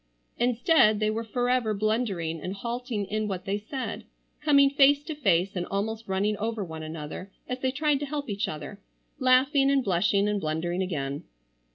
Instead they were forever blundering and halting in what they said; coming face to face and almost running over one another as they tried to help each other; laughing and blushing and blundering again.